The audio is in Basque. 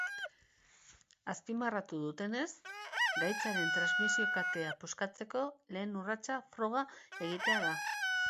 Azpimarratu dutenez, gaitzaren transmisio katea puskatzeko lehen urratsa froga egitea da.